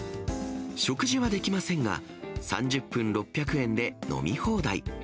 食事はできませんが、３０分６００円で飲み放題。